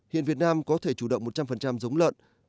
hiện việt nam có thể chủ động một trăm linh giống lợn